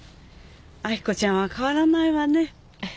明子ちゃんは変わらないわね。